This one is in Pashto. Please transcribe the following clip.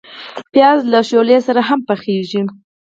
پیاز له شولو سره هم پخیږي